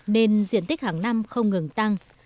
nên diện tích hàng năm không ngừng tăng